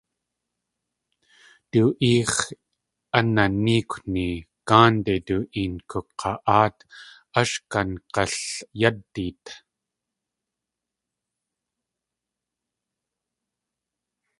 Du éex̲ ananéekwni gáande du een kuk̲a.áat ash kang̲alyádit.